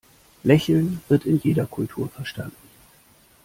Lächeln wird in jeder Kultur verstanden.